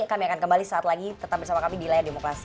kami akan kembali saat lagi tetap bersama kami di layar demokrasi